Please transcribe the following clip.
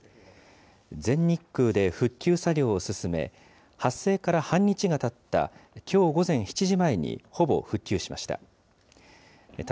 全日空で復旧作業を進め、発生から半日がたったきょう午前７時前にほぼ復旧しました。